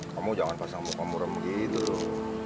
kamu jangan pasang muka muram gitu loh